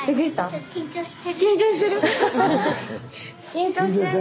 緊張してる？